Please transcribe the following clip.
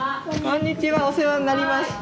こんにちはお世話になりました。